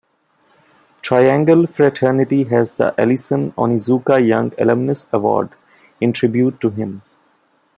Triangle Fraternity has the Ellison Onizuka Young Alumnus Award in tribute to him.